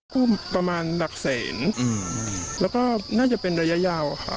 กู้ประมาณหลักแสนแล้วก็น่าจะเป็นระยะยาวค่ะ